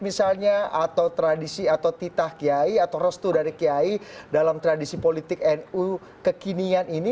misalnya atau tradisi atau titah kiai atau restu dari kiai dalam tradisi politik nu kekinian ini